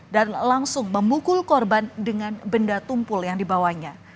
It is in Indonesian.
dan langsung memukul korban dengan benda tumpul yang dibawanya